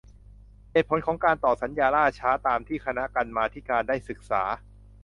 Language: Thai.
เหตุผลของการต่อสัญญาล่าช้า ตามที่คณะกรรมาธิการได้ศึกษา